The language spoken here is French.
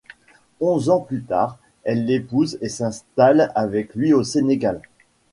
Onze ans plus tard, elle l'épouse et s'installe avec lui au Sénégal.